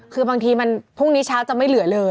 คือบางทีมันพรุ่งนี้เช้าจะไม่เหลือเลย